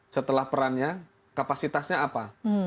setelah perannya kapasitasnya apa